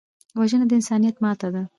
وژنه د انسانیت ماتې ده